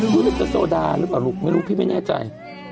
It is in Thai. รู้สึกจะโซดาหรือเปล่าลูกไม่รู้พี่ไม่แน่ใจ